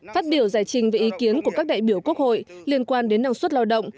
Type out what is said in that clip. phát biểu giải trình về ý kiến của các đại biểu quốc hội liên quan đến năng suất lao động